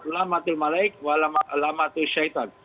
lamatil malaik walamatil syaitan